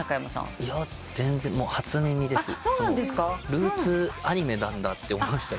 ルーツアニメなんだって思いました。